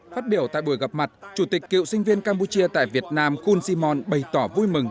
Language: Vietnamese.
phát biểu tại buổi gặp mặt chủ tịch cựu sinh viên campuchia tại việt nam khun simon bày tỏ vui mừng